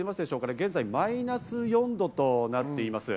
現在マイナス４度となっています。